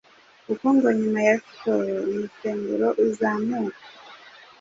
kuko ngo nyuma ya siporo umusemburo uzamuka